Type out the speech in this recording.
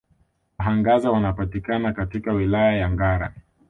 Wahangaza wanapatikana katika Wilaya ya Ngara